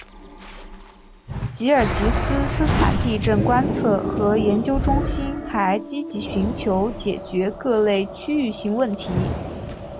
吉尔吉斯斯坦地震观测和研究中心还积极寻求解决各类区域性问题。